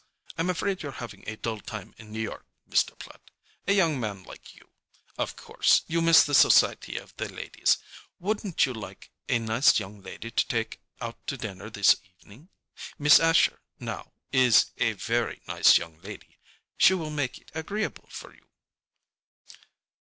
I'm afraid you're having a dull time in New York, Mr. Platt. A young man like you—of course, you miss the society of the ladies. Wouldn't you like a nice young lady to take out to dinner this evening? Miss Asher, now, is a very nice young lady; she will make it agreeable for you."